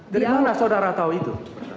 dari mana saudara tahu itu